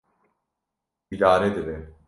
Îdare dibe.